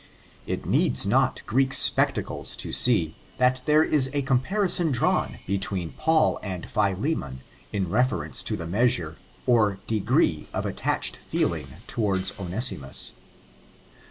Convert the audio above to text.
It needs not Greek spectacles to see, that there is a comparison drawn between Paul and Philemon, in reference to the measure, or degree of attached feeling towards Onesimus.